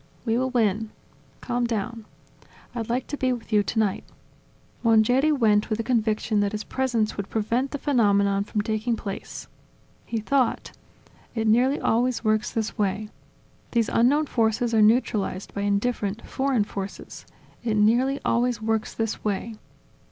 ... We will win. Calm down! ... I'd like to be with you tonight." Mongeri went with the conviction that his presence would prevent the phenomenon from taking place. He thought: "It nearly always works this way. These unknown forces are neutralized by indifferent, foreign forces. It nearly always works this way.